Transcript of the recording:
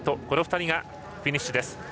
この２人がフィニッシュです。